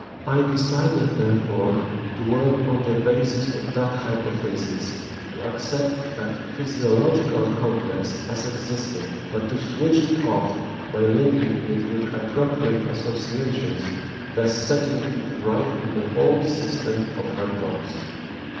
I decided therefore to work on the basis of that hypothesis, to accept that physiological complex as existing, but to switch it off by linking it with appropriate associations, thus setting it right in the whole system of her thoughts.